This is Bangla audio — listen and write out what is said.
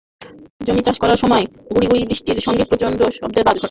জমি চাষ করার সময় গুঁড়ি গুঁড়ি বৃষ্টির সঙ্গে প্রচণ্ড শব্দে বজ্রপাত ঘটে।